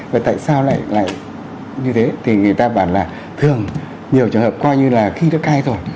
và tại sao lại lại như thế thì người ta bảo là thường nhiều trường hợp coi như là khi nó cai rồi